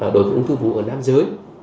đối với ung thư vú ở nam giới